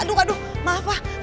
aduh aduh maaf pak